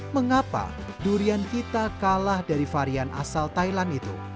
mengapa durian kita kalah dari varian asal thailand itu